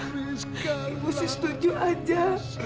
ibu sih setuju aja